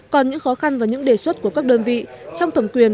còn những khó khăn và những đề xuất của các đơn vị trong thẩm quyền